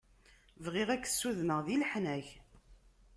Bɣiɣ ad k-sudenɣ di leḥnak.